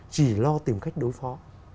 chỉ lo tìm cách đối phó